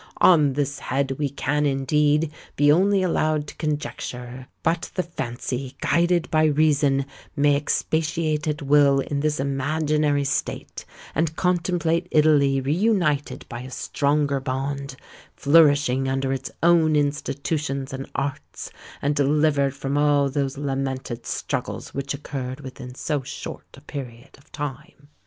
On this head we can, indeed, be only allowed to conjecture; but the fancy, guided by reason, may expatiate at will in this imaginary state, and contemplate Italy re united by a stronger bond, flourishing under its own institutions and arts, and delivered from all those lamented struggles which occurred within so short a period of time."